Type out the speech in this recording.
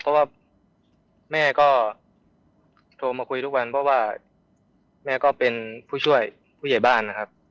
เพราะว่าแม่ก็โทรมาคุยทุกวันเพราะว่าแม่ก็เป็นผู้ช่วยผู้ใหญ่บ้านนะครับ